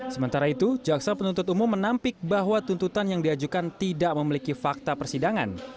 sementara itu jaksa penuntut umum menampik bahwa tuntutan yang diajukan tidak memiliki fakta persidangan